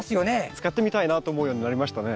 使ってみたいなと思うようになりましたね。